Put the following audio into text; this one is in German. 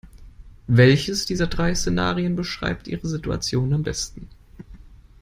Welches dieser drei Szenarien beschreibt Ihre Situation am besten?